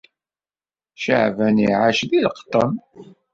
Ceεban iεac deg leqṭen.